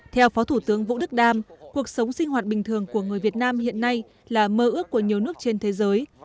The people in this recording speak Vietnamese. theo phó thủ tướng vũ đức đam cuộc sống sinh hoạt bình thường của người việt nam hiện nay là mơ ước của nhiều nước trên thế giới